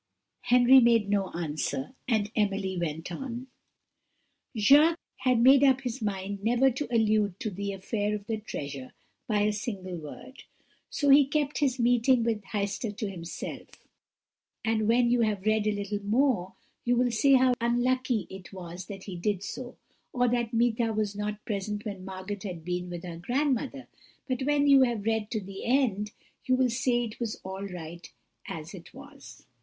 Henry made no answer, and Emily went on. "Jacques had made up his mind never to allude to the affair of the treasure by a single word, so he kept his meeting with Heister to himself; and when you have read a little more, you will say how unlucky it was that he did so, or that Meeta was not present when Margot had been with her grandmother; but when you have read to the end, you will say it was all right as it was.